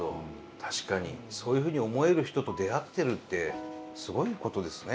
確かにそういうふうに思える人と出会ってるってすごいことですね。